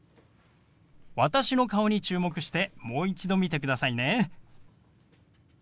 私の顔に注目してもう一度見てくださいね。